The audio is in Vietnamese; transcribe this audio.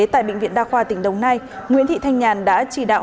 tại bệnh viện đa khoa tỉnh đồng nai nguyễn thị thanh nhàn đã chỉ đạo